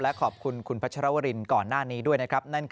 และขอบคุณคุณพัชรวรินก่อนหน้านี้ด้วยนะครับ